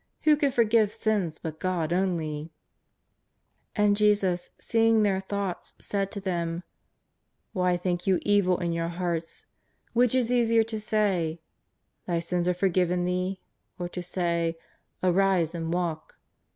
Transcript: Who can forgive sins but God only ? And Jesus seeing their thoughts said to them : "Why think you evil in your hearts ? Which is easier to say : Thy sins are forgiven thee, or to say : Arise and walk